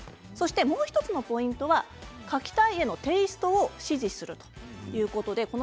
もう１つのポイントが描きたい絵のテーストを指示するということです。